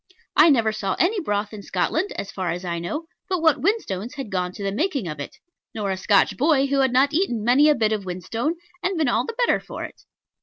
I never saw any broth in Scotland, as far as I know, but what whinstones had gone to the making of it; nor a Scotch boy who had not eaten many a bit of whinstone, and been all the better for it.